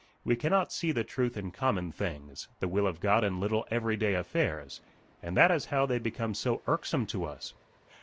We cannot see the truth in common things the will of God in little everyday affairs, and that is how they become so irksome to us.